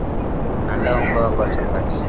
Andaa unga wako wa chapati